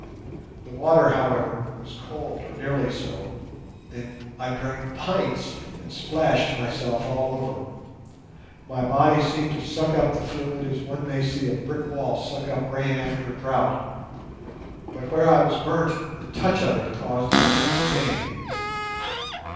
The water, however, was cold, or nearly so, and I drank pints and splashed myself all over. My body seemed to suck up the fluid as one may see a brick wall suck up rain after a drought; but where I was burnt the touch of it caused intense pain.